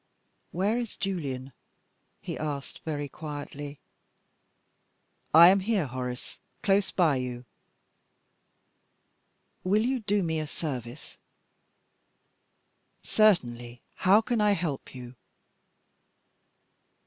"Where is Julian?" he asked, very quietly. "I am here, Horace close by you." "Will you do me a service?" "Certainly. How can I help you?"